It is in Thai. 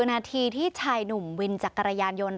นาทีที่ชายหนุ่มวินจักรยานยนต์